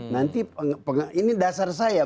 nanti ini dasar saya